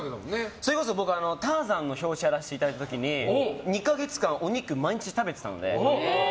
それこそ僕「ターザン」の表紙をさせてもらった時に２か月間お肉を毎日食べてたので。